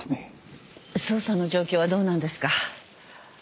捜査の状況はどうなんですか？